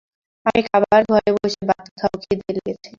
আমি খাবার ঘরে বসে ভাত খাব খিদে লেগেছে।